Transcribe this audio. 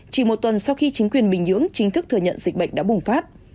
chỉ một tuần sau khi chính quyền bình nhưỡng chính thức thừa nhận dịch bệnh đã bùng phát